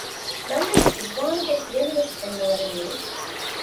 ނަމަވެސް އިޒުވާނުގެ ހިޔަނިވެސް ފެންނަވަރެއް ނުވި